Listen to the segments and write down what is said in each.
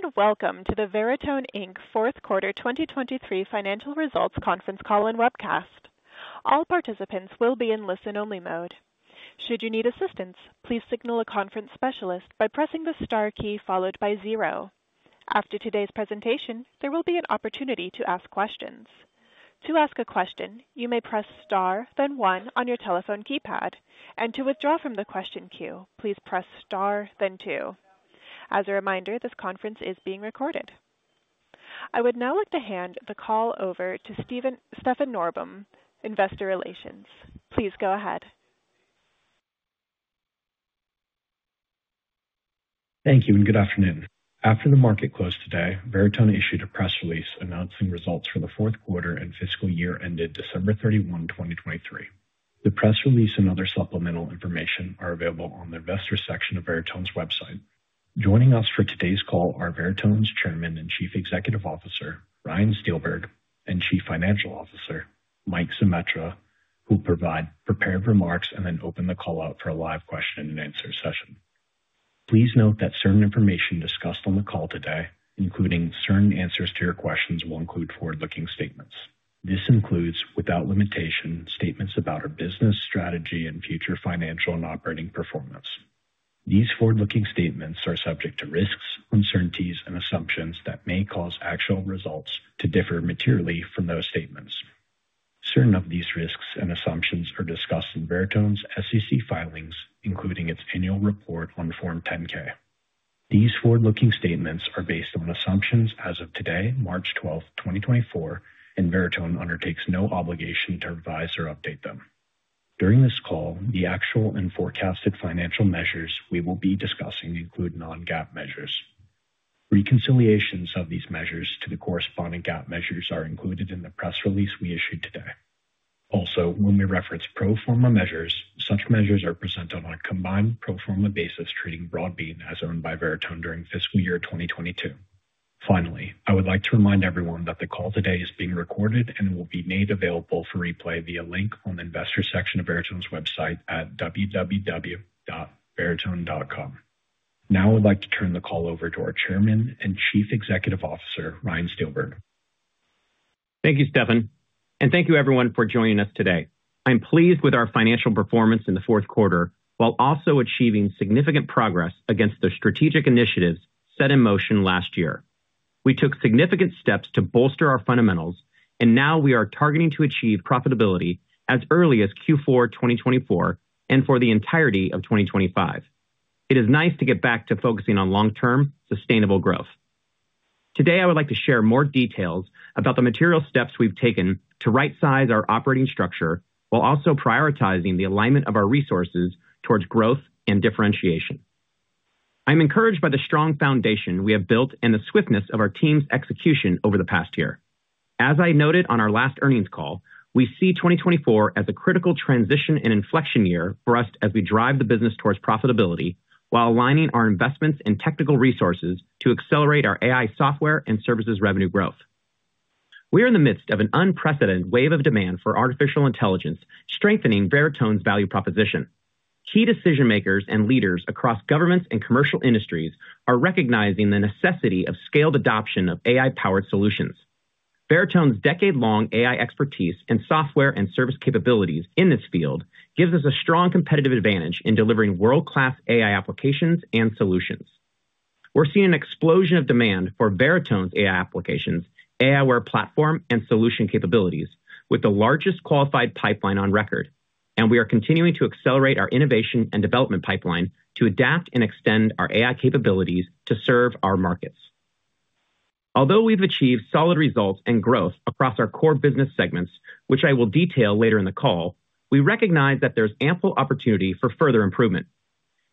Hello, and welcome to the Veritone Inc. Fourth Quarter 2023 financial results conference call and webcast. All participants will be in listen-only mode. Should you need assistance, please signal a conference specialist by pressing the star key followed by zero. After today's presentation, there will be an opportunity to ask questions. To ask a question, you may press star, then one on your telephone keypad, and to withdraw from the question queue, please press star, then two. As a reminder, this conference is being recorded. I would now like to hand the call over to Stefan Norbom, Investor Relations. Please go ahead. Thank you, and good afternoon. After the market closed today, Veritone issued a press release announcing results for the fourth quarter and fiscal year ended December 31, 2023. The press release and other supplemental information are available on the investor section of Veritone's website. Joining us for today's call are Veritone's Chairman and Chief Executive Officer, Ryan Steelberg, and Chief Financial Officer, Mike Zemetra, who will provide prepared remarks and then open the call out for a live question-and-answer session. Please note that certain information discussed on the call today, including certain answers to your questions, will include forward-looking statements. This includes, without limitation, statements about our business strategy and future financial and operating performance. These forward-looking statements are subject to risks, uncertainties, and assumptions that may cause actual results to differ materially from those statements. Certain of these risks and assumptions are discussed in Veritone's SEC filings, including its annual report on Form 10-K. These forward-looking statements are based on assumptions as of today, March 12, 2024, and Veritone undertakes no obligation to revise or update them. During this call, the actual and forecasted financial measures we will be discussing include non-GAAP measures. Reconciliations of these measures to the corresponding GAAP measures are included in the press release we issued today. Also, when we reference pro forma measures, such measures are presented on a combined pro forma basis, treating Broadbean as owned by Veritone during fiscal year 2022. Finally, I would like to remind everyone that the call today is being recorded and will be made available for replay via a link on the investor section of Veritone's website at www.veritone.com. Now I'd like to turn the call over to our Chairman and Chief Executive Officer, Ryan Steelberg. Thank you, Stefan, and thank you everyone for joining us today. I'm pleased with our financial performance in the fourth quarter, while also achieving significant progress against the strategic initiatives set in motion last year. We took significant steps to bolster our fundamentals, and now we are targeting to achieve profitability as early as Q4 2024 and for the entirety of 2025. It is nice to get back to focusing on long-term, sustainable growth. Today, I would like to share more details about the material steps we've taken to rightsize our operating structure while also prioritizing the alignment of our resources towards growth and differentiation. I'm encouraged by the strong foundation we have built and the swiftness of our team's execution over the past year. As I noted on our last earnings call, we see 2024 as a critical transition and inflection year for us as we drive the business towards profitability while aligning our investments in technical resources to accelerate our AI software and services revenue growth. We are in the midst of an unprecedented wave of demand for artificial intelligence, strengthening Veritone's value proposition. Key decision-makers and leaders across governments and commercial industries are recognizing the necessity of scaled adoption of AI-powered solutions. Veritone's decade-long AI expertise and software and service capabilities in this field gives us a strong competitive advantage in delivering world-class AI applications and solutions. We're seeing an explosion of demand for Veritone's AI applications, aiWARE platform, and solution capabilities, with the largest qualified pipeline on record, and we are continuing to accelerate our innovation and development pipeline to adapt and extend our AI capabilities to serve our markets. Although we've achieved solid results and growth across our core business segments, which I will detail later in the call, we recognize that there's ample opportunity for further improvement.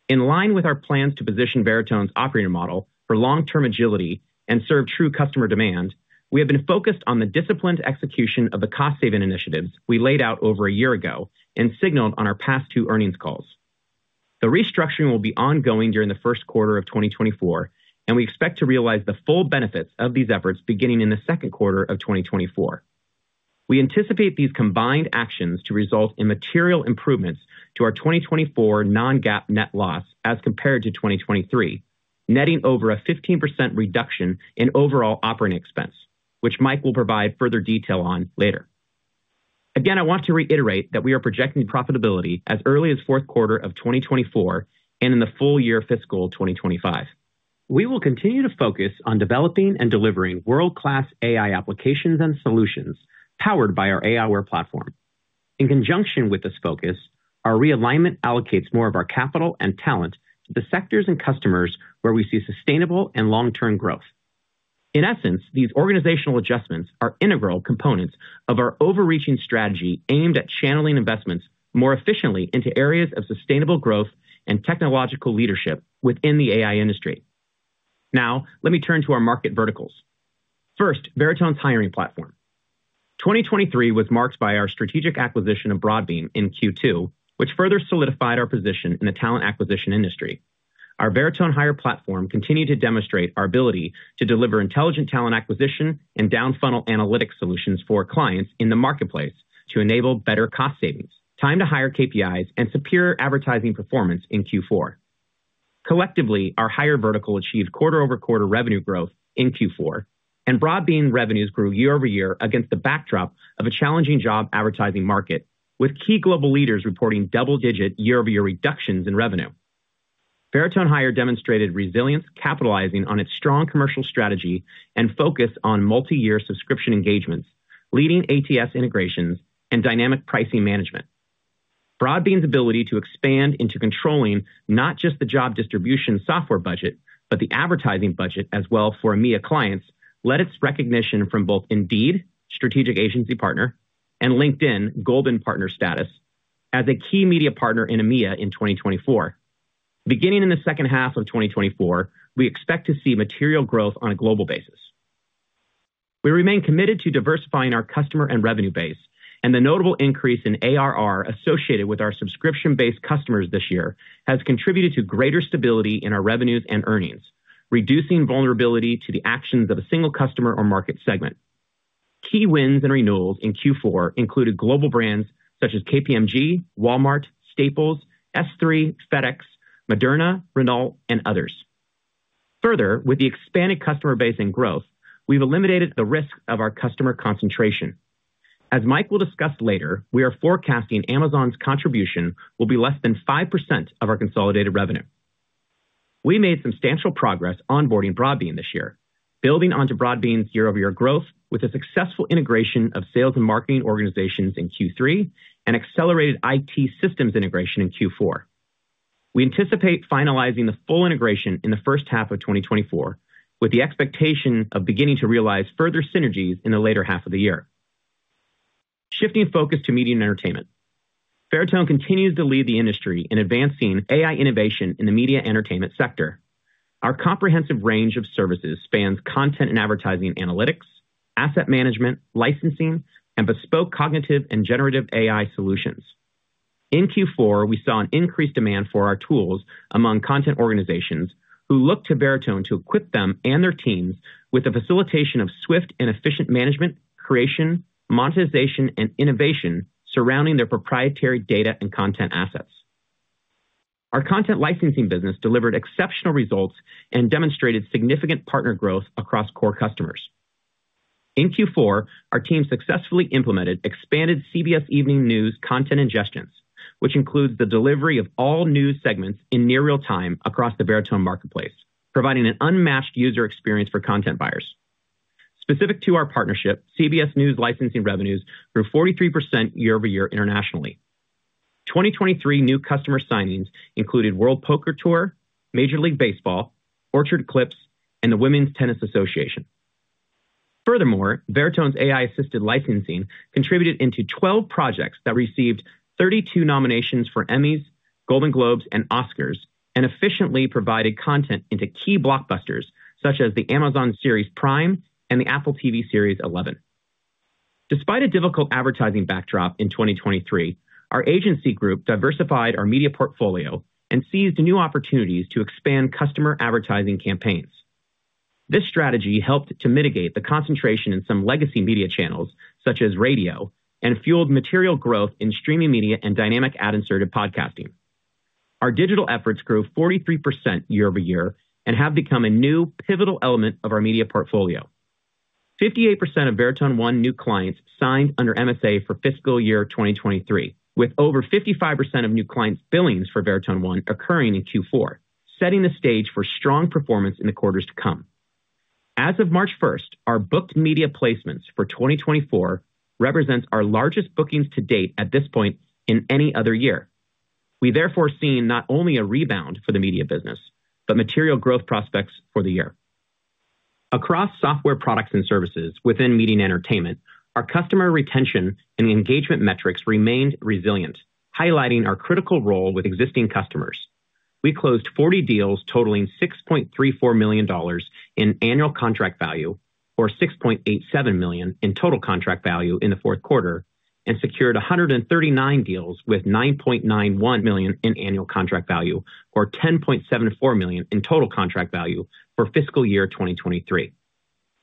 In line with our plans to position Veritone's operating model for long-term agility and serve true customer demand, we have been focused on the disciplined execution of the cost-saving initiatives we laid out over a year ago and signaled on our past two earnings calls. The restructuring will be ongoing during the first quarter of 2024, and we expect to realize the full benefits of these efforts beginning in the second quarter of 2024. We anticipate these combined actions to result in material improvements to our 2024 non-GAAP net loss as compared to 2023, netting over a 15% reduction in overall operating expense, which Mike will provide further detail on later. Again, I want to reiterate that we are projecting profitability as early as fourth quarter of 2024 and in the full year fiscal 2025. We will continue to focus on developing and delivering world-class AI applications and solutions powered by our aiWARE platform. In conjunction with this focus, our realignment allocates more of our capital and talent to the sectors and customers where we see sustainable and long-term growth. In essence, these organizational adjustments are integral components of our overreaching strategy aimed at channeling investments more efficiently into areas of sustainable growth and technological leadership within the AI industry. Now, let me turn to our market verticals. First, Veritone's hiring platform. 2023 was marked by our strategic acquisition of Broadbean in Q2, which further solidified our position in the talent acquisition industry. Our Veritone Hire platform continued to demonstrate our ability to deliver intelligent talent acquisition and down-funnel analytics solutions for clients in the marketplace to enable better cost savings, time to hire KPIs, and superior advertising performance in Q4. Collectively, our Hire vertical achieved quarter-over-quarter revenue growth in Q4, and Broadbean revenues grew year-over-year against the backdrop of a challenging job advertising market, with key global leaders reporting double-digit year-over-year reductions in revenue. Veritone Hire demonstrated resilience, capitalizing on its strong commercial strategy and focus on multi-year subscription engagements, leading ATS integrations, and dynamic pricing management. Broadbean's ability to expand into controlling not just the job distribution software budget, but the advertising budget as well for EMEA clients, led its recognition from both Indeed, Strategic Agency Partner, and LinkedIn, Golden Partner status, as a key media partner in EMEA in 2024. Beginning in the second half of 2024, we expect to see material growth on a global basis. We remain committed to diversifying our customer and revenue base, and the notable increase in ARR associated with our subscription-based customers this year has contributed to greater stability in our revenues and earnings, reducing vulnerability to the actions of a single customer or market segment. Key wins and renewals in Q4 included global brands such as KPMG, Walmart, Staples, S3, FedEx, Moderna, Renault, and others. Further, with the expanded customer base and growth, we've eliminated the risk of our customer concentration. As Mike will discuss later, we are forecasting Amazon's contribution will be less than 5% of our consolidated revenue. We made substantial progress onboarding Broadbean this year, building onto Broadbean's year-over-year growth with a successful integration of sales and marketing organizations in Q3 and accelerated IT systems integration in Q4. We anticipate finalizing the full integration in the first half of 2024, with the expectation of beginning to realize further synergies in the later half of the year. Shifting focus to media and entertainment. Veritone continues to lead the industry in advancing AI innovation in the media and entertainment sector. Our comprehensive range of services spans content and advertising, analytics, asset management, licensing, and bespoke cognitive and generative AI solutions. In Q4, we saw an increased demand for our tools among content organizations who look to Veritone to equip them and their teams with the facilitation of swift and efficient management, creation, monetization, and innovation surrounding their proprietary data and content assets. Our content licensing business delivered exceptional results and demonstrated significant partner growth across core customers. In Q4, our team successfully implemented expanded CBS Evening News content ingestions, which includes the delivery of all news segments in near real-time across the Veritone marketplace, providing an unmatched user experience for content buyers. Specific to our partnership, CBS News licensing revenues grew 43% year-over-year internationally. 2023 new customer signings included World Poker Tour, Major League Baseball, Orchard Clips, and the Women's Tennis Association. Furthermore, Veritone's AI-assisted licensing contributed into 12 projects that received 32 nominations for Emmys, Golden Globes, and Oscars, and efficiently provided content into key blockbusters such as the Amazon Series Prime and the Apple TV series Eleven. Despite a difficult advertising backdrop in 2023, our agency group diversified our media portfolio and seized new opportunities to expand customer advertising campaigns. This strategy helped to mitigate the concentration in some legacy media channels, such as radio, and fueled material growth in streaming media and dynamic ad-inserted podcasting. Our digital efforts grew 43% year-over-year and have become a new pivotal element of our media portfolio. 58% of Veritone One new clients signed under MSA for fiscal year 2023, with over 55% of new clients' billings for Veritone One occurring in Q4, setting the stage for strong performance in the quarters to come. As of March first, our booked media placements for 2024 represents our largest bookings to date at this point in any other year. We therefore see not only a rebound for the media business, but material growth prospects for the year. Across software products and services within media and entertainment, our customer retention and engagement metrics remained resilient, highlighting our critical role with existing customers. We closed 40 deals totaling $6.34 million in annual contract value or $6.87 million in total contract value in the fourth quarter, and secured 139 deals with $9.91 million in annual contract value or $10.74 million in total contract value for fiscal year 2023.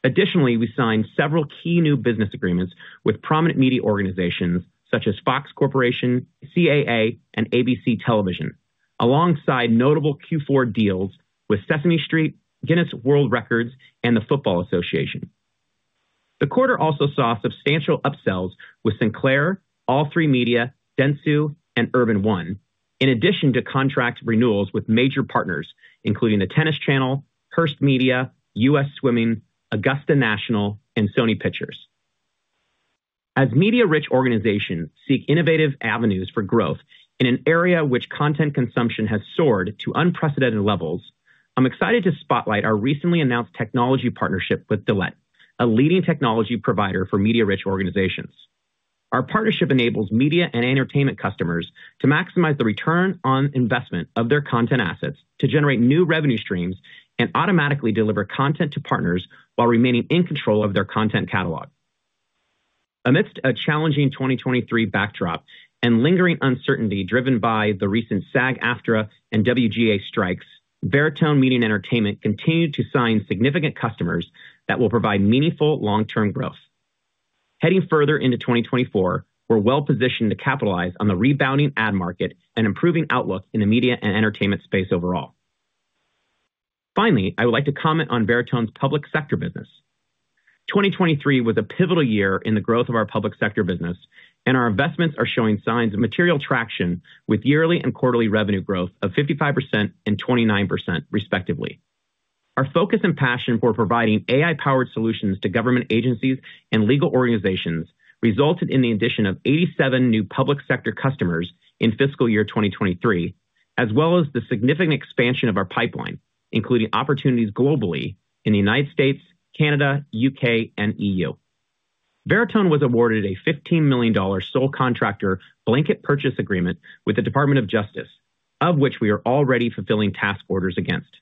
Additionally, we signed several key new business agreements with prominent media organizations such as Fox Corporation, CAA, and ABC Television, alongside notable Q4 deals with Sesame Street, Guinness World Records, and the Football Association. The quarter also saw substantial upsells with Sinclair, All3Media, Dentsu, and Urban One, in addition to contract renewals with major partners, including the Tennis Channel, Hearst Media, US Swimming, Augusta National, and Sony Pictures. As media-rich organizations seek innovative avenues for growth in an area which content consumption has soared to unprecedented levels, I'm excited to spotlight our recently announced technology partnership with Dalet, a leading technology provider for media-rich organizations. Our partnership enables media and entertainment customers to maximize the return on investment of their content assets, to generate new revenue streams, and automatically deliver content to partners while remaining in control of their content catalog. Amidst a challenging 2023 backdrop and lingering uncertainty driven by the recent SAG-AFTRA and WGA strikes, Veritone Media and Entertainment continued to sign significant customers that will provide meaningful long-term growth.... Heading further into 2024, we're well positioned to capitalize on the rebounding ad market and improving outlook in the media and entertainment space overall. Finally, I would like to comment on Veritone's public sector business. 2023 was a pivotal year in the growth of our public sector business, and our investments are showing signs of material traction with yearly and quarterly revenue growth of 55% and 29%, respectively. Our focus and passion for providing AI-powered solutions to government agencies and legal organizations resulted in the addition of 87 new public sector customers in fiscal year 2023, as well as the significant expansion of our pipeline, including opportunities globally in the United States, Canada, U.K., and E.U. Veritone was awarded a $15 million sole contractor blanket purchase agreement with the Department of Justice, of which we are already fulfilling task orders against.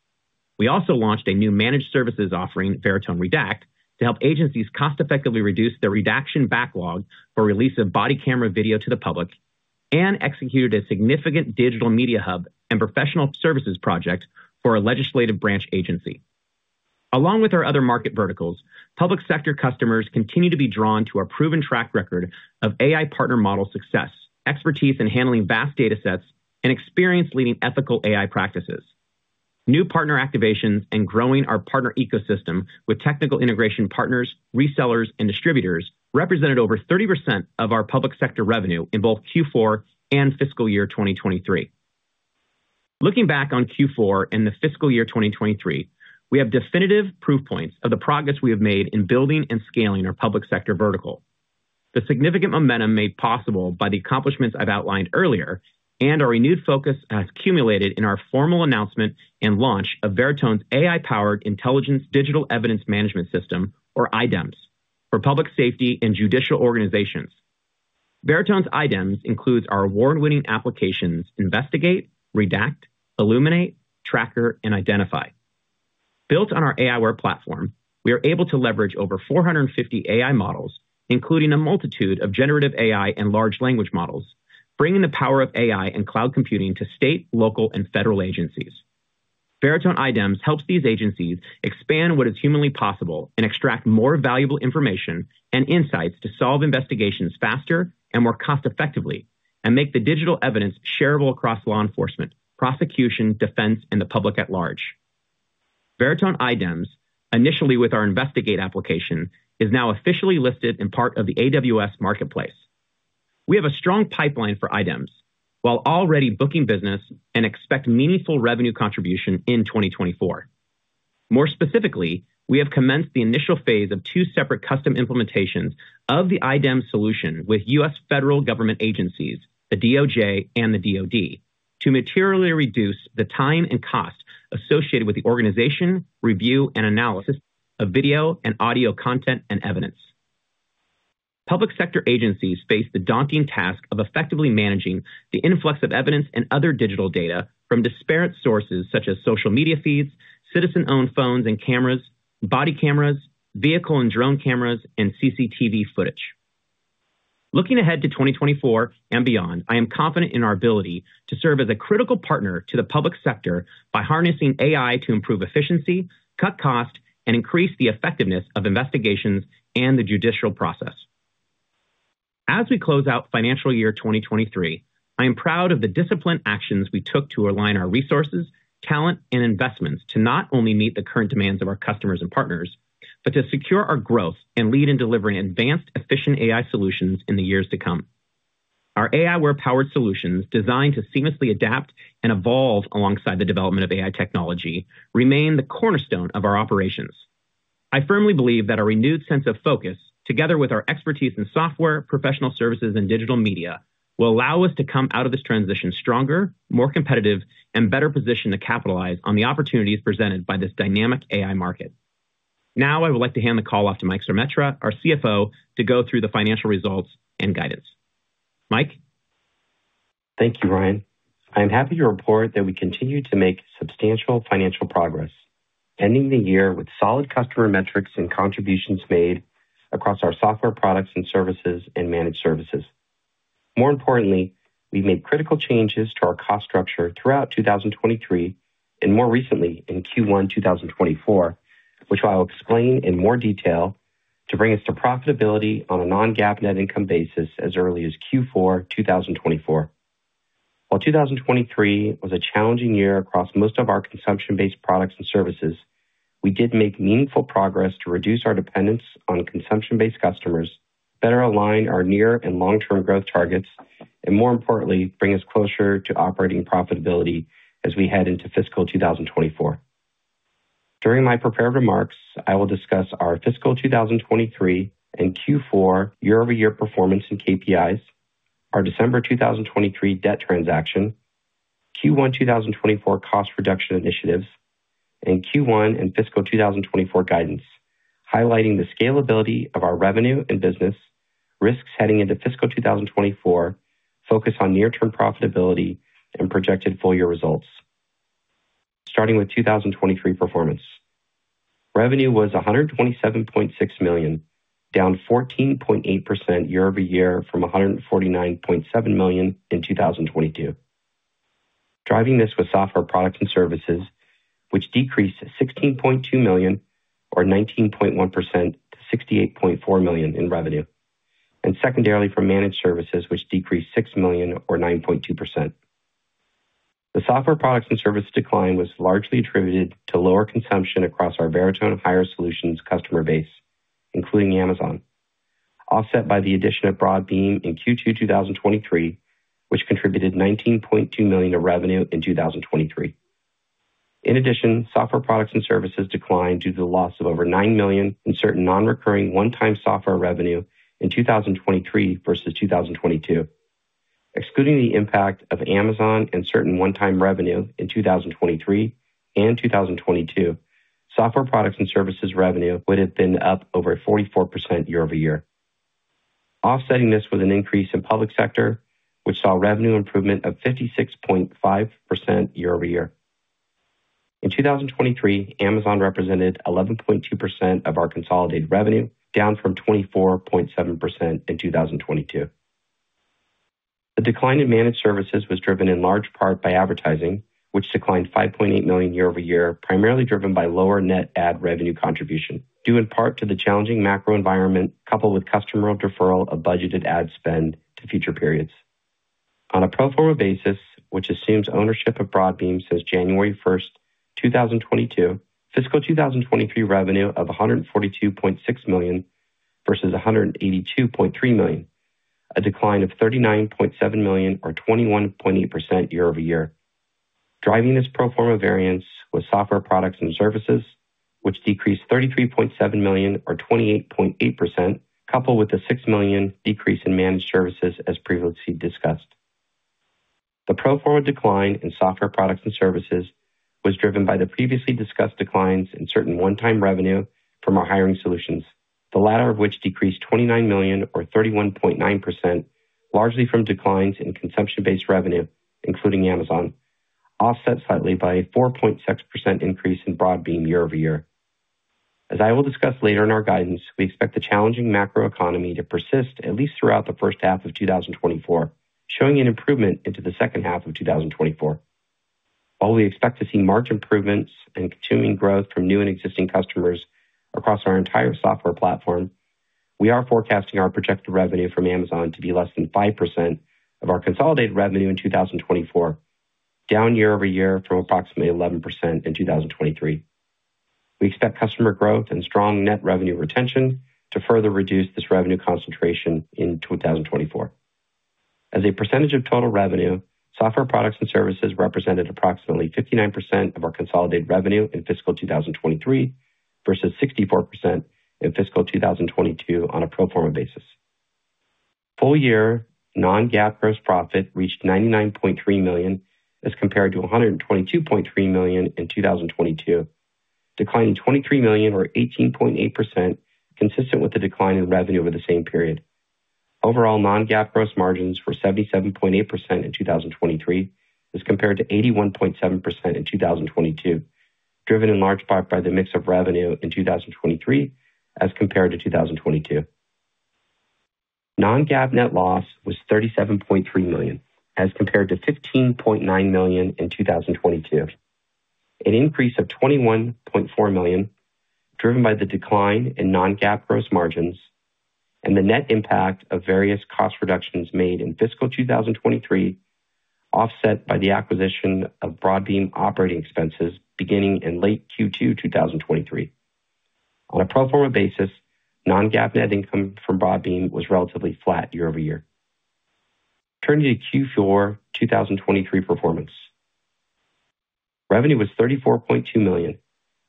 We also launched a new managed services offering, Veritone Redact, to help agencies cost-effectively reduce their redaction backlog for release of body camera video to the public, and executed a significant Digital Media Hub and professional services project for a legislative branch agency. Along with our other market verticals, public sector customers continue to be drawn to our proven track record of AI partner model success, expertise in handling vast datasets, and experience leading ethical AI practices. New partner activations and growing our partner ecosystem with technical integration partners, resellers, and distributors represented over 30% of our public sector revenue in both Q4 and fiscal year 2023. Looking back on Q4 and the fiscal year 2023, we have definitive proof points of the progress we have made in building and scaling our public sector vertical. The significant momentum made possible by the accomplishments I've outlined earlier and our renewed focus has accumulated in our formal announcement and launch of Veritone's AI-powered Intelligent Digital Evidence Management System, or IDEMS, for public safety and judicial organizations. Veritone's IDEMS includes our award-winning applications, Investigate, Redact, Illuminate, Tracker, and Identify. Built on our aiWARE platform, we are able to leverage over 450 AI models, including a multitude of generative AI and large language models, bringing the power of AI and cloud computing to state, local, and federal agencies. Veritone IDEMS helps these agencies expand what is humanly possible and extract more valuable information and insights to solve investigations faster and more cost-effectively, and make the digital evidence shareable across law enforcement, prosecution, defense, and the public at large. Veritone IDEMS, initially with our Investigate application, is now officially listed on the AWS Marketplace. We have a strong pipeline for IDEMS, while already booking business and expect meaningful revenue contribution in 2024. More specifically, we have commenced the initial phase of two separate custom implementations of the IDEMS solution with U.S. federal government agencies, the DOJ and the DoD, to materially reduce the time and cost associated with the organization, review, and analysis of video and audio content and evidence. Public sector agencies face the daunting task of effectively managing the influx of evidence and other digital data from disparate sources such as social media feeds, citizen-owned phones and cameras, body cameras, vehicle and drone cameras, and CCTV footage. Looking ahead to 2024 and beyond, I am confident in our ability to serve as a critical partner to the public sector by harnessing AI to improve efficiency, cut cost, and increase the effectiveness of investigations and the judicial process. As we close out financial year 2023, I am proud of the disciplined actions we took to align our resources, talent, and investments to not only meet the current demands of our customers and partners, but to secure our growth and lead in delivering advanced, efficient AI solutions in the years to come. Our aiWARE-powered solutions, designed to seamlessly adapt and evolve alongside the development of AI technology, remain the cornerstone of our operations. I firmly believe that our renewed sense of focus, together with our expertise in software, professional services, and digital media, will allow us to come out of this transition stronger, more competitive, and better positioned to capitalize on the opportunities presented by this dynamic AI market. Now, I would like to hand the call off to Mike Zemetra, our CFO, to go through the financial results and guidance. Mike? Thank you, Ryan. I am happy to report that we continue to make substantial financial progress, ending the year with solid customer metrics and contributions made across our software products and services and managed services. More importantly, we've made critical changes to our cost structure throughout 2023, and more recently in Q1 2024, which I'll explain in more detail to bring us to profitability on a non-GAAP net income basis as early as Q4 2024. While 2023 was a challenging year across most of our consumption-based products and services, we did make meaningful progress to reduce our dependence on consumption-based customers, better align our near and long-term growth targets, and more importantly, bring us closer to operating profitability as we head into fiscal 2024. During my prepared remarks, I will discuss our fiscal 2023 and Q4 year-over-year performance in KPIs, our December 2023 debt transaction, Q1 2024 cost reduction initiatives, and Q1 and fiscal 2024 guidance, highlighting the scalability of our revenue and business, risks heading into fiscal 2024, focus on near-term profitability, and projected full year results. Starting with 2023 performance. Revenue was $127.6 million, down 14.8% year-over-year from $149.7 million in 2022.... Driving this was software products and services, which decreased $16.2 million or 19.1% to $68.4 million in revenue, and secondarily from managed services, which decreased $6 million or 9.2%. The software products and services decline was largely attributed to lower consumption across our Veritone Hire customer base, including Amazon, offset by the addition of Broadbean in Q2 2023, which contributed $19.2 million of revenue in 2023. In addition, software products and services declined due to the loss of over $9 million in certain non-recurring one-time software revenue in 2023 versus 2022. Excluding the impact of Amazon and certain one-time revenue in 2023 and 2022, software products and services revenue would have been up over 44% year-over-year. Offsetting this was an increase in public sector, which saw revenue improvement of 56.5% year-over-year. In 2023, Amazon represented 11.2% of our consolidated revenue, down from 24.7% in 2022. The decline in managed services was driven in large part by advertising, which declined $5.8 million year-over-year, primarily driven by lower net ad revenue contribution, due in part to the challenging macro environment, coupled with customer deferral of budgeted ad spend to future periods. On a pro forma basis, which assumes ownership of Broadbean since January 1, 2022, fiscal 2023 revenue of $142.6 million versus $182.3 million, a decline of $39.7 million or 21.8% year-over-year. Driving this pro forma variance was software products and services, which decreased $33.7 million or 28.8%, coupled with a $6 million decrease in managed services as previously discussed. The pro forma decline in software products and services was driven by the previously discussed declines in certain one-time revenue from our hiring solutions, the latter of which decreased $29 million or 31.9%, largely from declines in consumption-based revenue, including Amazon, offset slightly by a 4.6% increase in Broadbean year-over-year. As I will discuss later in our guidance, we expect the challenging macroeconomy to persist at least throughout the first half of 2024, showing an improvement into the second half of 2024. While we expect to see margin improvements and continuing growth from new and existing customers across our entire software platform, we are forecasting our projected revenue from Amazon to be less than 5% of our consolidated revenue in 2024, down year-over-year from approximately 11% in 2023. We expect customer growth and strong net revenue retention to further reduce this revenue concentration in 2024. As a percentage of total revenue, software products and services represented approximately 59% of our consolidated revenue in fiscal 2023 versus 64% in fiscal 2022 on a pro forma basis. Full year Non-GAAP gross profit reached $99.3 million as compared to $122.3 million in 2022, declining $23 million or 18.8%, consistent with the decline in revenue over the same period. Overall, Non-GAAP gross margins were 77.8% in 2023 as compared to 81.7% in 2022, driven in large part by the mix of revenue in 2023 as compared to 2022. Non-GAAP net loss was $37.3 million, as compared to $15.9 million in 2022, an increase of $21.4 million, driven by the decline in non-GAAP gross margins and the net impact of various cost reductions made in fiscal 2023, offset by the acquisition of Broadbean operating expenses beginning in late Q2 2023. On a pro forma basis, non-GAAP net income from Broadbean was relatively flat year-over-year. Turning to Q4 2023 performance. Revenue was $34.2 million,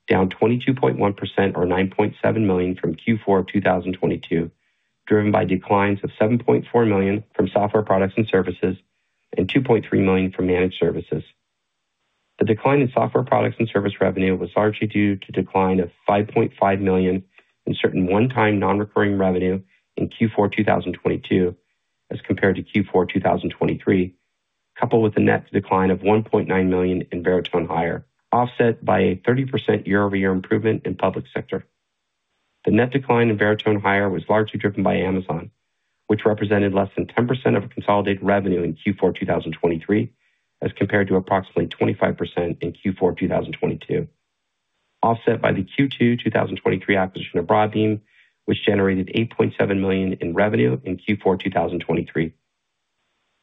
down 22.1% or $9.7 million from Q4 2022, driven by declines of $7.4 million from software products and services and $2.3 million from managed services. The decline in software products and service revenue was largely due to decline of $5.5 million in certain one-time non-recurring revenue in Q4 2022 as compared to Q4 2023, coupled with a net decline of $1.9 million in Veritone Hire, offset by a 30% year-over-year improvement in public sector. The net decline in Veritone Hire was largely driven by Amazon, which represented less than 10% of consolidated revenue in Q4 2023, as compared to approximately 25% in Q4 2022, offset by the Q2 2023 acquisition of Broadbean, which generated $8.7 million in revenue in Q4 2023.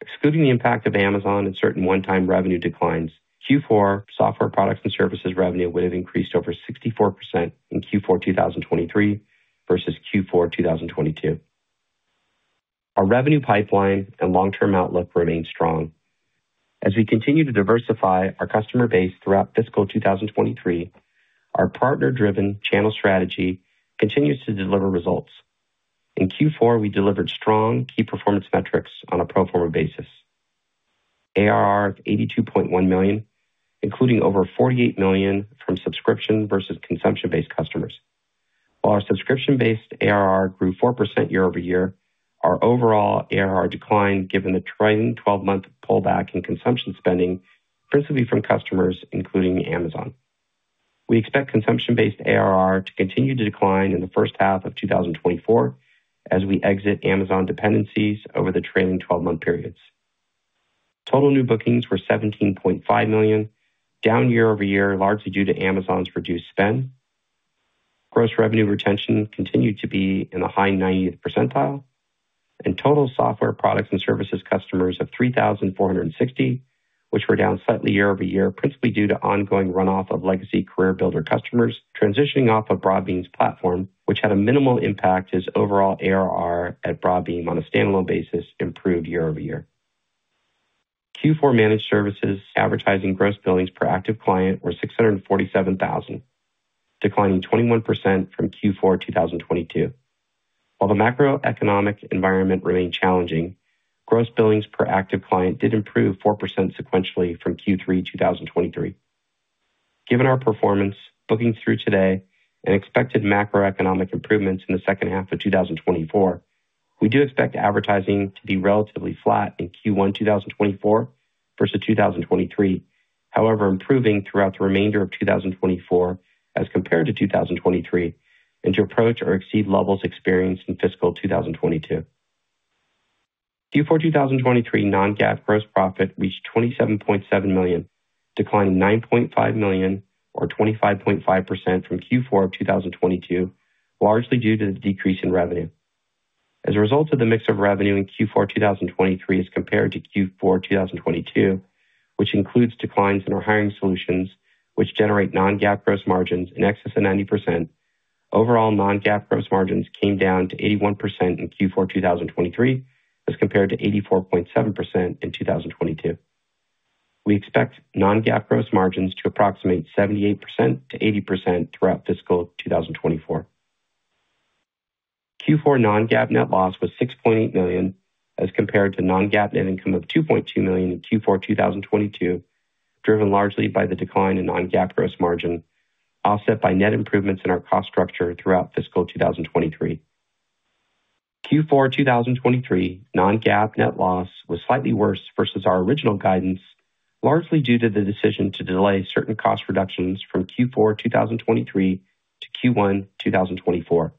Excluding the impact of Amazon and certain one-time revenue declines, Q4 software products and services revenue would have increased over 64% in Q4 2023 versus Q4 2022. Our revenue pipeline and long-term outlook remain strong. As we continue to diversify our customer base throughout fiscal 2023, our partner-driven channel strategy continues to deliver results. In Q4, we delivered strong key performance metrics on a pro forma basis. ARR of $82.1 million, including over $48 million from subscription versus consumption-based customers. While our subscription-based ARR grew 4% year over year, our overall ARR declined given the trending twelve-month pullback in consumption spending, principally from customers, including Amazon.... We expect consumption-based ARR to continue to decline in the first half of 2024 as we exit Amazon dependencies over the trailing 12-month periods. Total new bookings were $17.5 million, down year-over-year, largely due to Amazon's reduced spend. Gross revenue retention continued to be in the high 90th percentile, and total software products and services customers of 3,460, which were down slightly year-over-year, principally due to ongoing runoff of legacy CareerBuilder customers transitioning off of Broadbean's platform, which had a minimal impact as overall ARR at Broadbean on a standalone basis improved year-over-year. Q4 managed services advertising gross billings per active client were $647,000, declining 21% from Q4 2022. While the macroeconomic environment remained challenging, gross billings per active client did improve 4% sequentially from Q3 2023. Given our performance, bookings through today and expected macroeconomic improvements in the second half of 2024, we do expect advertising to be relatively flat in Q1 2024 versus 2023. However, improving throughout the remainder of 2024 as compared to 2023, and to approach or exceed levels experienced in fiscal 2022. Q4 2023 non-GAAP gross profit reached $27.7 million, declining $9.5 million or 25.5% from Q4 of 2022, largely due to the decrease in revenue. As a result of the mix of revenue in Q4 2023 as compared to Q4 2022, which includes declines in our hiring solutions, which generate non-GAAP gross margins in excess of 90%. Overall, non-GAAP gross margins came down to 81% in Q4 2023, as compared to 84.7% in 2022. We expect non-GAAP gross margins to approximate 78%-80% throughout fiscal 2024. Q4 non-GAAP net loss was $6.8 million, as compared to non-GAAP net income of $2.2 million in Q4 2022, driven largely by the decline in non-GAAP gross margin, offset by net improvements in our cost structure throughout fiscal 2023. Q4 2023 non-GAAP net loss was slightly worse versus our original guidance, largely due to the decision to delay certain cost reductions from Q4 2023 to Q1 2024,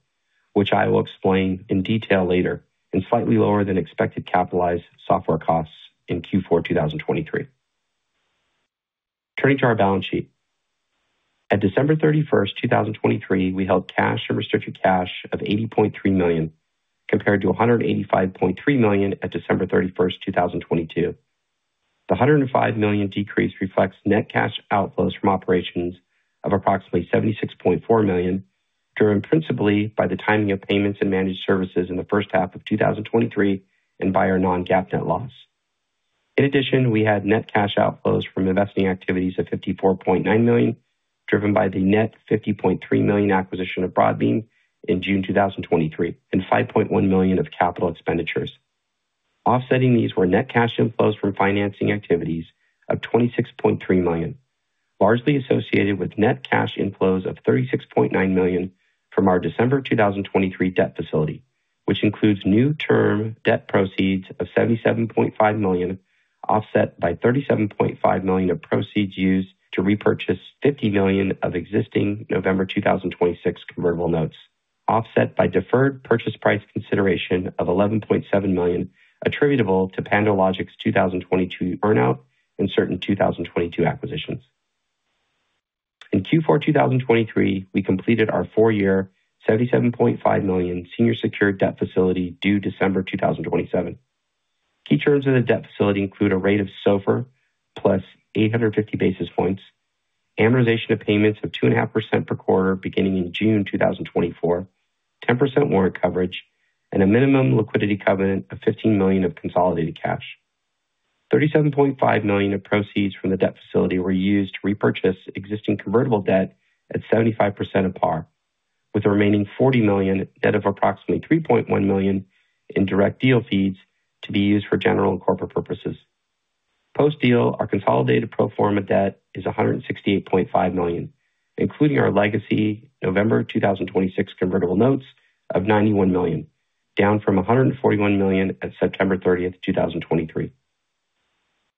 which I will explain in detail later, and slightly lower than expected capitalized software costs in Q4 2023. Turning to our balance sheet. At December 31, 2023, we held cash and restricted cash of $80.3 million, compared to $185.3 million at December 31, 2022. The $105 million decrease reflects net cash outflows from operations of approximately $76.4 million, driven principally by the timing of payments and managed services in the first half of 2023 and by our non-GAAP net loss. In addition, we had net cash outflows from investing activities of $54.9 million, driven by the net $50.3 million acquisition of Broadbean in June 2023, and $5.1 million of capital expenditures. Offsetting these were net cash inflows from financing activities of $26.3 million, largely associated with net cash inflows of $36.9 million from our December 2023 debt facility, which includes new term debt proceeds of $77.5 million, offset by $37.5 million of proceeds used to repurchase $50 million of existing November 2026 convertible notes, offset by deferred purchase price consideration of $11.7 million, attributable to PandoLogic's 2022 buyout and certain 2022 acquisitions. In Q4 2023, we completed our 4-year, $77.5 million senior secured debt facility due December 2027. Key terms of the debt facility include a rate of SOFR plus 850 basis points, amortization of payments of 2.5% per quarter beginning in June 2024, 10% warrant coverage, and a minimum liquidity covenant of $15 million of consolidated cash. $37.5 million of proceeds from the debt facility were used to repurchase existing convertible debt at 75% of par, with the remaining $40 million net of approximately $3.1 million in direct deal fees to be used for general and corporate purposes. Post-deal, our consolidated pro forma debt is $168.5 million, including our legacy November 2026 convertible notes of $91 million, down from $141 million at September 30, 2023.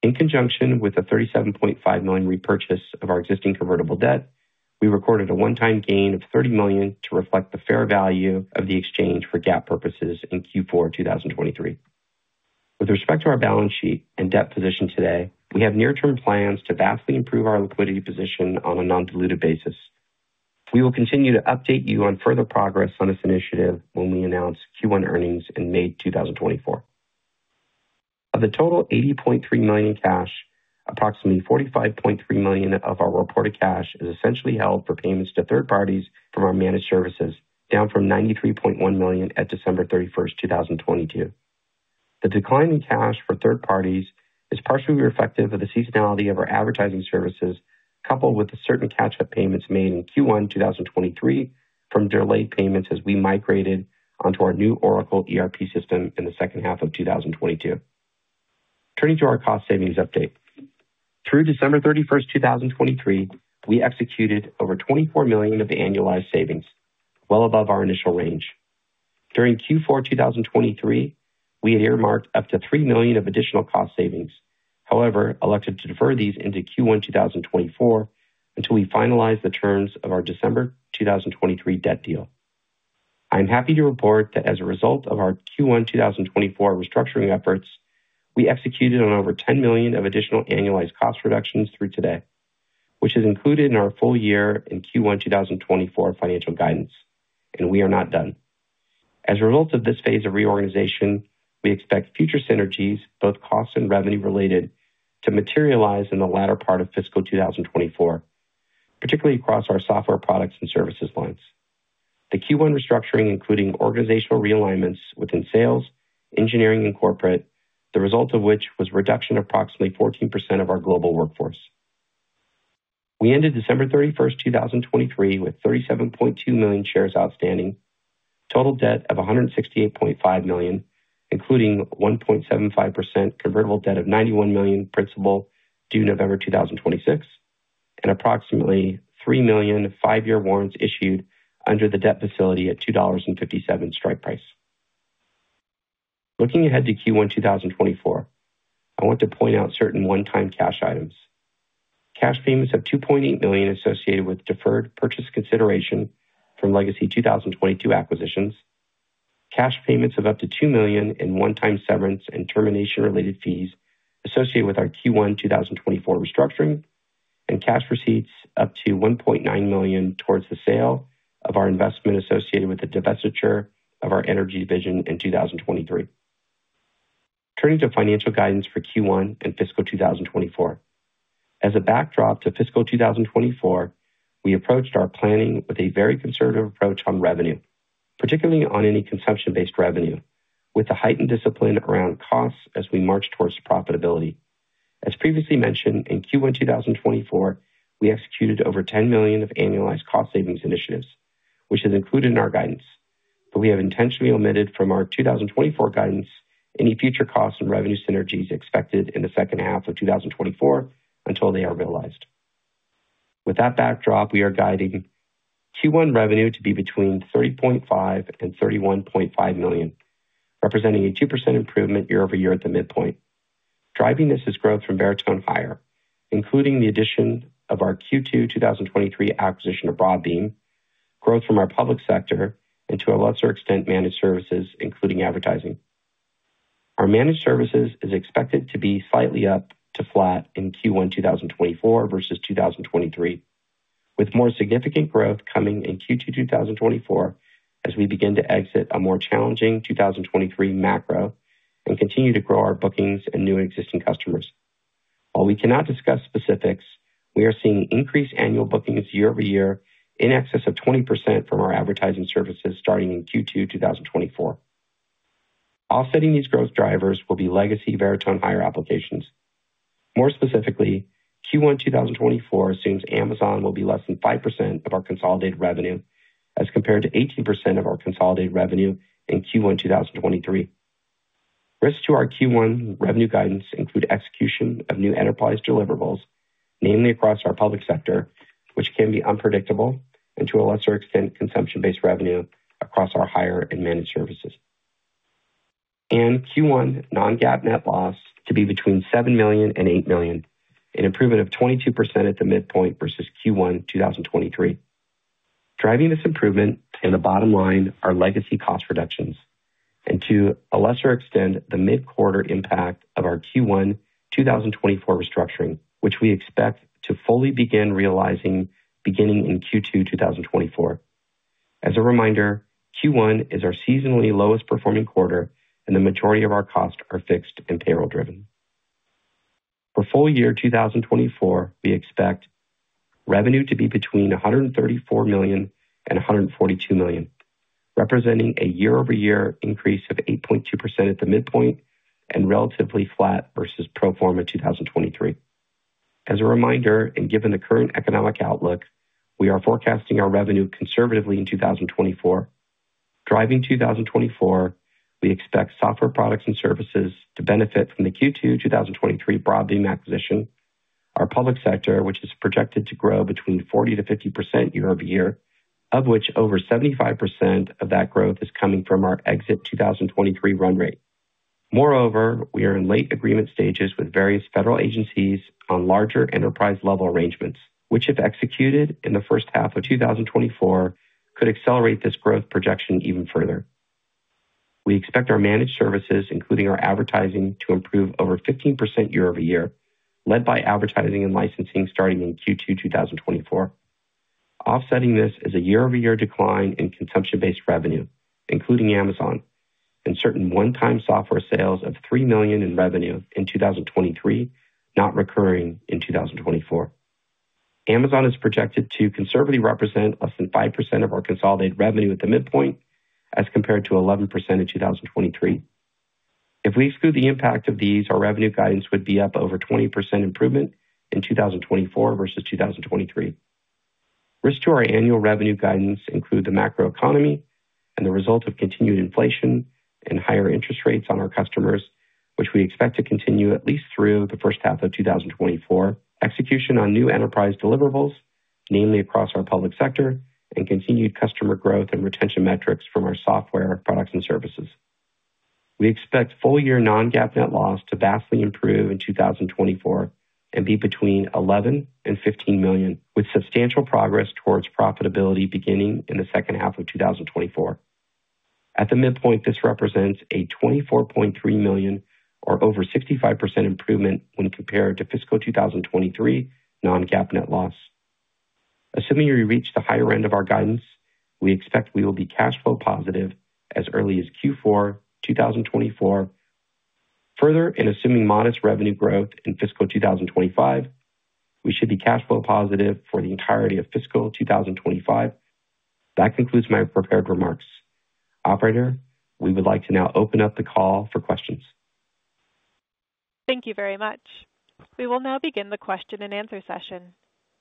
In conjunction with the $37.5 million repurchase of our existing convertible debt, we recorded a one-time gain of $30 million to reflect the fair value of the exchange for GAAP purposes in Q4 2023. With respect to our balance sheet and debt position today, we have near-term plans to vastly improve our liquidity position on a non-diluted basis. We will continue to update you on further progress on this initiative when we announce Q1 earnings in May 2024. Of the total $80.3 million in cash, approximately $45.3 million of our reported cash is essentially held for payments to third parties from our managed services, down from $93.1 million at December 31, 2022. The decline in cash for third parties is partially reflective of the seasonality of our advertising services, coupled with the certain catch-up payments made in Q1 2023 from delayed payments as we migrated onto our new Oracle ERP system in the second half of 2022. Turning to our cost savings update. Through December 31, 2023, we executed over $24 million of annualized savings, well above our initial range. During Q4 2023, we had earmarked up to $3 million of additional cost savings, however, elected to defer these into Q1 2024 until we finalized the terms of our December 2023 debt deal. I am happy to report that as a result of our Q1 2024 restructuring efforts, we executed on over $10 million of additional annualized cost reductions through today, which is included in our full year and Q1 2024 financial guidance, and we are not done. As a result of this phase of reorganization, we expect future synergies, both cost and revenue related, to materialize in the latter part of fiscal 2024, particularly across our software products and services lines. The Q1 restructuring, including organizational realignments within sales, engineering, and corporate, the result of which was a reduction of approximately 14% of our global workforce. We ended December 31, 2023, with 37.2 million shares outstanding, total debt of $168.5 million, including 1.75% convertible debt of $91 million principal due November 2026, and approximately 3 million 5-year warrants issued under the debt facility at $2.57 strike price. Looking ahead to Q1 2024, I want to point out certain one-time cash items. Cash payments of $2.8 million associated with deferred purchase consideration from legacy 2022 acquisitions, cash payments of up to $2 million in one-time severance and termination-related fees associated with our Q1 2024 restructuring, and cash receipts up to $1.9 million towards the sale of our investment associated with the divestiture of our energy division in 2023. Turning to financial guidance for Q1 and fiscal 2024. As a backdrop to fiscal 2024, we approached our planning with a very conservative approach on revenue, particularly on any consumption-based revenue, with a heightened discipline around costs as we march towards profitability. As previously mentioned, in Q1 2024, we executed over $10 million of annualized cost savings initiatives, which is included in our guidance, but we have intentionally omitted from our 2024 guidance any future costs and revenue synergies expected in the second half of 2024 until they are realized. With that backdrop, we are guiding Q1 revenue to be between $30.5 million and $31.5 million, representing a 2% improvement year-over-year at the midpoint. Driving this is growth from Veritone Hire, including the addition of our Q2 2023 acquisition of Broadbean, growth from our public sector, and to a lesser extent, managed services, including advertising. Our managed services is expected to be slightly up to flat in Q1 2024 versus 2023, with more significant growth coming in Q2 2024 as we begin to exit a more challenging 2023 macro and continue to grow our bookings and new existing customers. While we cannot discuss specifics, we are seeing increased annual bookings year-over-year in excess of 20% from our advertising services starting in Q2 2024. Offsetting these growth drivers will be legacy Veritone Hire applications. More specifically, Q1 2024 assumes Amazon will be less than 5% of our consolidated revenue, as compared to 18% of our consolidated revenue in Q1 2023. Risks to our Q1 revenue guidance include execution of new enterprise deliverables, namely across our public sector, which can be unpredictable and to a lesser extent, consumption-based revenue across our higher end managed services. In Q1, non-GAAP net loss to be between $7 million and $8 million, an improvement of 22% at the midpoint versus Q1 2023. Driving this improvement in the bottom line are legacy cost reductions, and to a lesser extent, the mid-quarter impact of our Q1 2024 restructuring, which we expect to fully begin realizing beginning in Q2 2024. As a reminder, Q1 is our seasonally lowest performing quarter, and the majority of our costs are fixed and payroll driven. For full year 2024, we expect revenue to be between $134 million and $142 million, representing a year-over-year increase of 8.2% at the midpoint and relatively flat versus pro forma 2023. As a reminder, and given the current economic outlook, we are forecasting our revenue conservatively in 2024. Driving 2024, we expect software products and services to benefit from the Q2 2023 Broadbean acquisition. Our public sector, which is projected to grow between 40%-50% year over year, of which over 75% of that growth is coming from our exit 2023 run rate. Moreover, we are in late agreement stages with various federal agencies on larger enterprise-level arrangements, which, if executed in the first half of 2024, could accelerate this growth projection even further. We expect our managed services, including our advertising, to improve over 15% year-over-year, led by advertising and licensing starting in Q2 2024. Offsetting this is a year-over-year decline in consumption-based revenue, including Amazon, and certain one-time software sales of $3 million in revenue in 2023, not recurring in 2024. Amazon is projected to conservatively represent less than 5% of our consolidated revenue at the midpoint, as compared to 11% in 2023. If we exclude the impact of these, our revenue guidance would be up over 20% improvement in 2024 versus 2023. Risks to our annual revenue guidance include the macroeconomy and the result of continued inflation and higher interest rates on our customers,... which we expect to continue at least through the first half of 2024. Execution on new enterprise deliverables, namely across our public sector, and continued customer growth and retention metrics from our software products and services. We expect full-year non-GAAP net loss to vastly improve in 2024 and be between $11 million and $15 million, with substantial progress towards profitability beginning in the second half of 2024. At the midpoint, this represents a $24.3 million, or over 65% improvement when compared to fiscal 2023 non-GAAP net loss. Assuming we reach the higher end of our guidance, we expect we will be cash flow positive as early as Q4 2024. Further, in assuming modest revenue growth in fiscal 2025, we should be cash flow positive for the entirety of fiscal 2025. That concludes my prepared remarks. Operator, we would like to now open up the call for questions. Thank you very much. We will now begin the question-and-answer session.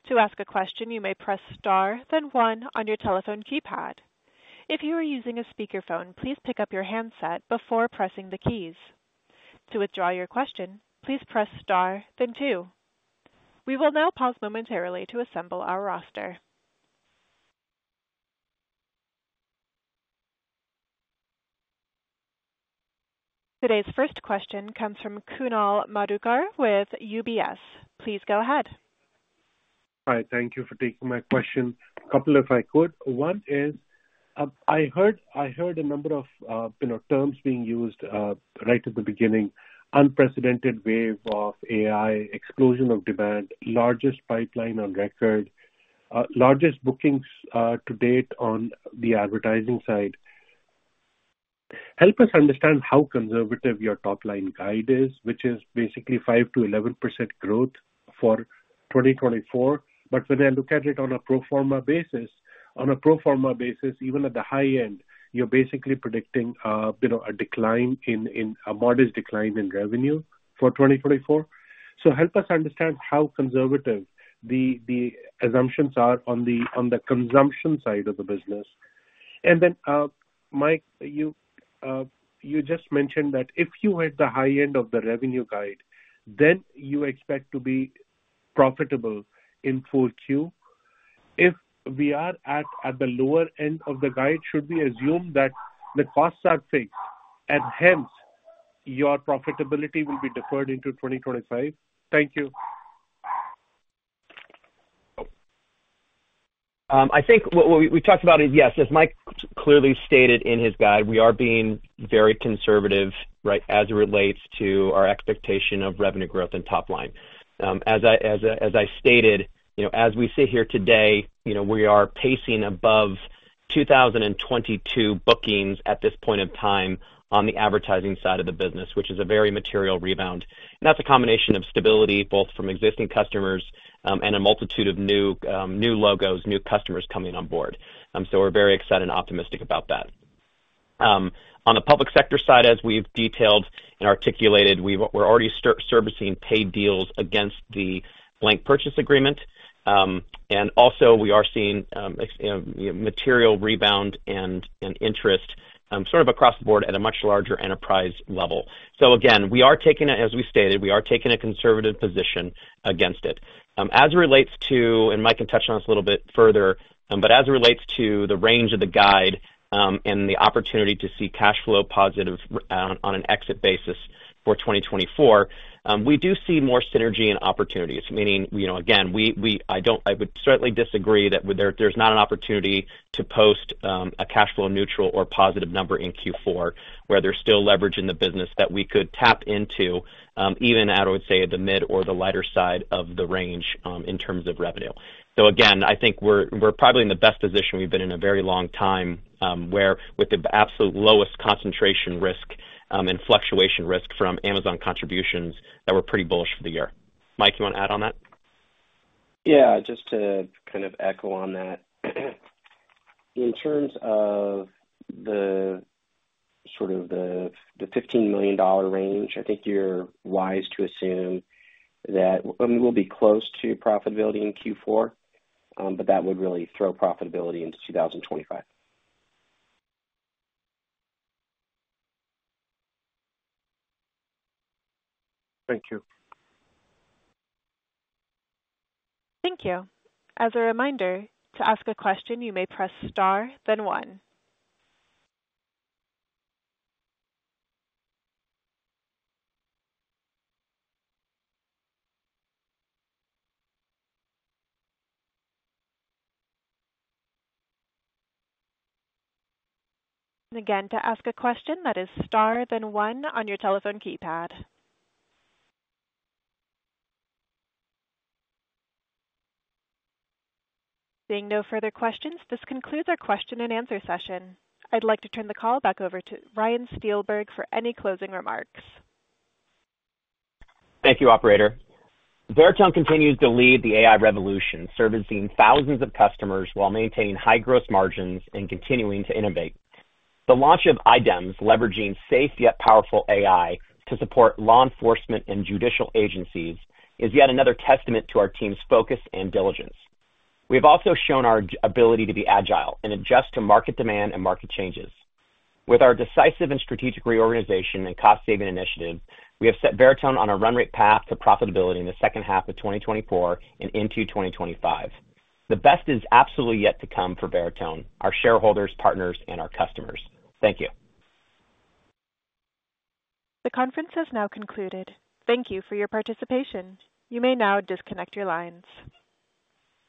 To ask a question, you may press Star, then one on your telephone keypad. If you are using a speakerphone, please pick up your handset before pressing the keys. To withdraw your question, please press Star then two. We will now pause momentarily to assemble our roster. Today's first question comes from Kunal Madhukar with UBS. Please go ahead. Hi, thank you for taking my question. A couple, if I could. One is, I heard a number of, you know, terms being used right at the beginning. Unprecedented wave of AI, explosion of demand, largest pipeline on record, largest bookings to date on the advertising side. Help us understand how conservative your top-line guide is, which is basically 5%-11% growth for 2024. But when I look at it on a pro forma basis, on a pro forma basis, even at the high end, you're basically predicting a modest decline in revenue for 2024. So help us understand how conservative the assumptions are on the consumption side of the business. And then, Mike, you just mentioned that if you hit the high end of the revenue guide, then you expect to be profitable in full year. If we are at the lower end of the guide, should we assume that the costs are fixed and hence your profitability will be deferred into 2025? Thank you. I think what we talked about it, yes, as Mike clearly stated in his guide, we are being very conservative, right? As it relates to our expectation of revenue growth and top line. As I stated, you know, as we sit here today, you know, we are pacing above 2022 bookings at this point in time on the advertising side of the business, which is a very material rebound. And that's a combination of stability, both from existing customers, and a multitude of new logos, new customers coming on board. So we're very excited and optimistic about that. On the public sector side, as we've detailed and articulated, we're already servicing paid deals against the blanket purchase agreement. And also we are seeing, you know, material rebound and, and interest, sort of across the board at a much larger enterprise level. So again, we are taking a... as we stated, we are taking a conservative position against it. As it relates to, and Mike can touch on this a little bit further, but as it relates to the range of the guide, and the opportunity to see cash flow positive, on an exit basis for 2024, we do see more synergy and opportunities, meaning, you know, again, we, we— I don't... I would certainly disagree that there, there's not an opportunity to post a cash flow neutral or positive number in Q4, where there's still leverage in the business that we could tap into, even at, I would say, the mid or the lighter side of the range, in terms of revenue. So again, I think we're, we're probably in the best position we've been in a very long time, where with the absolute lowest concentration risk, and fluctuation risk from Amazon contributions that we're pretty bullish for the year. Mike, you want to add on that? Yeah, just to kind of echo on that. In terms of the sort of the $15 million range, I think you're wise to assume that we'll be close to profitability in Q4, but that would really throw profitability into 2025. Thank you. Thank you. As a reminder, to ask a question, you may press Star, then one. Again, to ask a question, that is Star, then one on your telephone keypad. Seeing no further questions, this concludes our question-and-answer session. I'd like to turn the call back over to Ryan Steelberg for any closing remarks. Thank you, operator. Veritone continues to lead the AI revolution, servicing thousands of customers while maintaining high gross margins and continuing to innovate. The launch of IDEMS, leveraging safe yet powerful AI to support law enforcement and judicial agencies, is yet another testament to our team's focus and diligence. We've also shown our ability to be agile and adjust to market demand and market changes. With our decisive and strategic reorganization and cost-saving initiatives, we have set Veritone on a run-rate path to profitability in the second half of 2024 and into 2025. The best is absolutely yet to come for Veritone, our shareholders, partners, and our customers. Thank you. The conference has now concluded. Thank you for your participation. You may now disconnect your lines.